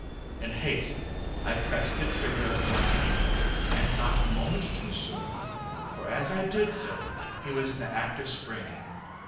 In haste I pressed the trigger of the Martini, and not a moment too soon; for, as I did so, he was in the act of springing.